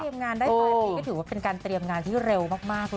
งานได้ปลายปีก็ถือว่าเป็นการเตรียมงานที่เร็วมากเลย